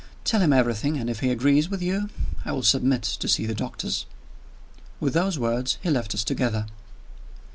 Tell him everything, and if he agrees with you, I will submit to see the doctors." With those words he left us together.